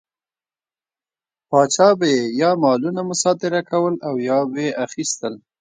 پاچا به یې یا مالونه مصادره کول او یا به یې اخیستل.